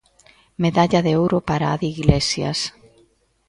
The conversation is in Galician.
Medalla de ouro para Adi Iglesias.